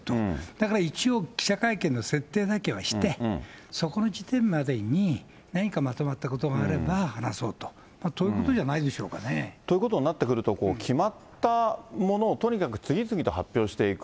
だから一応、記者会見の設定だけはして、そこの時点までに何かまとまったことがあれば話そうということじということになってくると、決まったものを次々と発表していく。